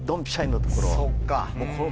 そっか。